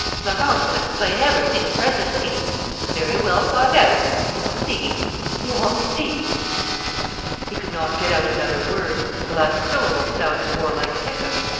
Florence will explain everything presently.... It's very well thought out you'll see you'll see " He could not get out another word. The last syllables sounded more like hiccoughs.